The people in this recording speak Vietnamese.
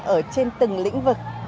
ở trên từng lĩnh vực